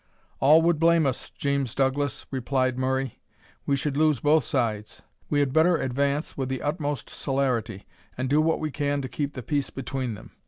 "All would blame us, James Douglas," replied Murray; "we should lose both sides we had better advance with the utmost celerity, and do what we can to keep the peace betwixt them.